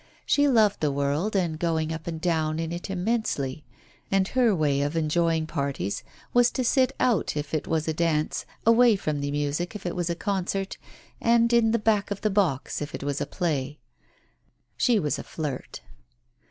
She loved the world and going up and down in it immensely, and her way of enjoying parties was to sit out if it was a dance, away from the music if it was a concert, and in the back of the box if it was a play. She was a flirt.